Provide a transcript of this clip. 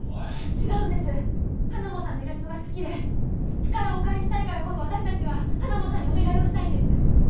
違うんですハナモさんのイラストが好きで力をお借りしたいからこそ私たちはハナモさんにお願いをしたいんです。